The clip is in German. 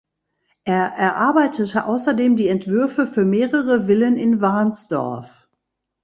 Er erarbeitete außerdem die Entwürfe für mehrere Villen in Warnsdorf.